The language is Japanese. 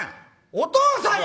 お父さんや。